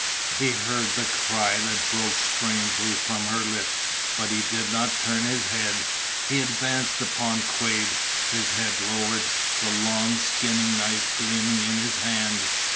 He heard the cry that broke strangely from her lips but he did not turn his head. He advanced upon Quade, his head lowered, the long skinning knife gleaming in his hand.